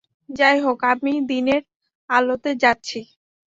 যাই হোক, আমি দিনের আলোতে যাচ্ছি।